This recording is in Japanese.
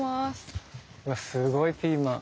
わっすごいピーマン。